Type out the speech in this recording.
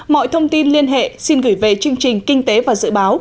mọi thông tin liên hệ xin gửi về chương trình kinh tế và dự báo